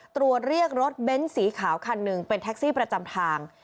ตรวจเรียกรถเบ้นสีขาวคันหนึ่งเป็นแท็กซี่ประจำทาง